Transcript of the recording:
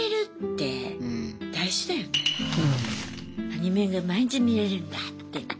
アニメが毎日見れるんだって